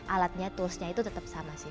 alatnya toolsnya itu tetap sama sih